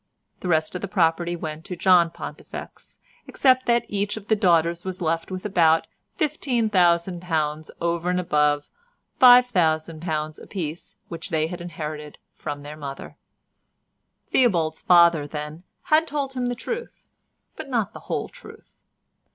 The rest of the property went to John Pontifex, except that each of the daughters was left with about £15,000 over and above £5000 a piece which they inherited from their mother. Theobald's father then had told him the truth but not the whole truth.